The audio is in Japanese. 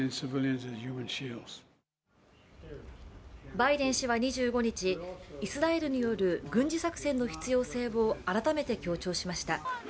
バイデン氏は２５日、イスラエルによる軍事作戦の必要性を改めて強調しました。